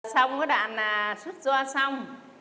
xong cái đạn là xuất doa xong